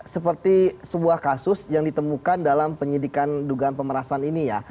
seperti sebuah kasus yang ditemukan dalam penyidikan dugaan pemerasan ini ya